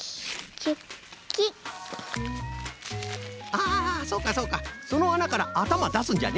ああそうかそうかそのあなからあたまだすんじゃね。